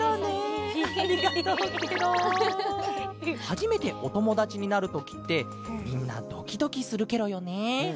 はじめておともだちになるときってみんなドキドキするケロよね。